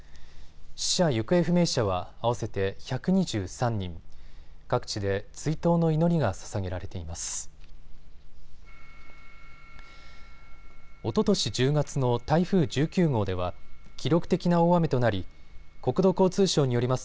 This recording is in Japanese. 死者・行方不明者は合わせて１２３人、各地で追悼の祈りがささげられています。